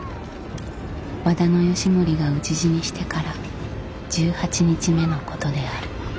和田義盛が討ち死にしてから１８日目のことである。